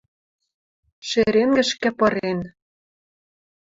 шеренгӹшкӹ пырен